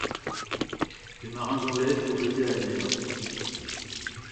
Les marins anglais furent jetés à la mer.